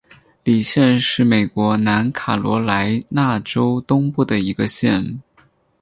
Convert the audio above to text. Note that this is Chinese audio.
李县是美国南卡罗莱纳州东部的一个县。